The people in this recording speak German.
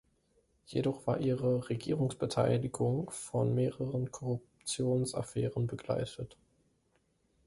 Jedoch war ihre Regierungsbeteiligung von mehreren Korruptionsaffären begleitet.